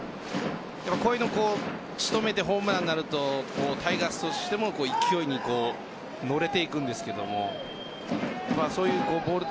こういうのを仕留めてホームランになるとタイガースとしても勢いに乗れていくんですけどもそういうボール